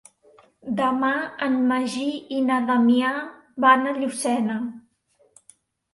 Demà en Magí i na Damià van a Llucena.